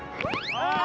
ああ！